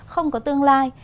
không có tương lai